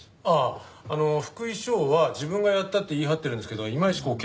ああ福井翔は自分がやったって言い張ってるんですけどいまいち